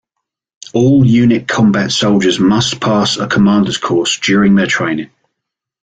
All unit combat soldiers must pass a commander's course during their training.